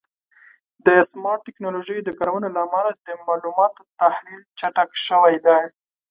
د سمارټ ټکنالوژیو د کارونې له امله د معلوماتو تحلیل چټک شوی دی.